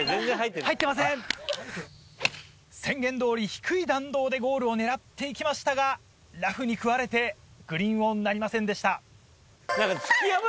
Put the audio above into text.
宣言通り低い弾道でゴールを狙って行きましたがラフに食われてグリーンオンなりませんでした。